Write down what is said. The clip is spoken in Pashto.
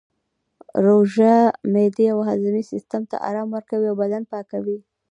روژه معدې او هاضمې سیستم ته ارام ورکوي او بدن پاکوي